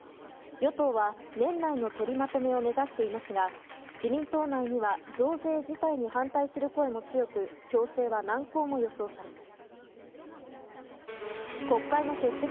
与党は年内の取りまとめを目指していますが自民党内には増税自体に反対する声も強く調整は難航も予想されます。